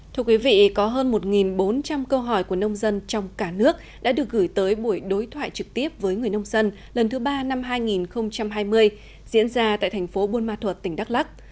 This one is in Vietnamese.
thưa quý vị có hơn một bốn trăm linh câu hỏi của nông dân trong cả nước đã được gửi tới buổi đối thoại trực tiếp với người nông dân lần thứ ba năm hai nghìn hai mươi diễn ra tại thành phố buôn ma thuật tỉnh đắk lắc